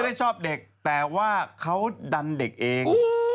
ได้ชอบเด็กแต่ว่าเขาดันเด็กเอง